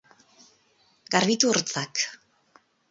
Garbitu hortzak.